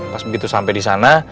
pas begitu sampai di sana